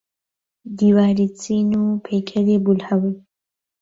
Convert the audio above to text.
دیواری چین و پەیکەری بولهەول.